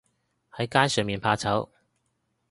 喺街上面怕醜